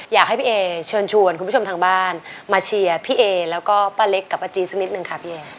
อยากให้พี่เอเชิญชวนคุณผู้ชมทางบ้านมาเชียร์พี่เอแล้วก็ป้าเล็กกับป้าจี๊สักนิดนึงค่ะพี่เอ